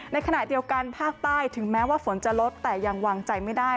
ในขณะเดียวกันภาคใต้ถึงแม้ว่าฝนจะลดแต่ยังวางใจไม่ได้